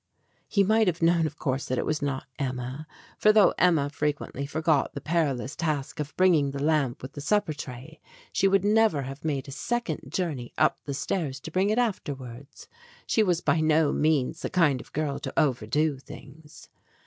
He might have known, of course, that it was not Emma ; for though Emma fre quently forgot the perilous task of bringing the lamp with the supper tray, she would never have made a second journey up the stairs to bring it afterwards. She was by no means the kind of girl to overdo things.